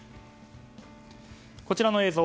こちらの映像